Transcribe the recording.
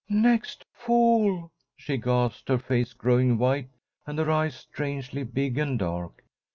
"Next fall!" she gasped, her face growing white and her eyes strangely big and dark.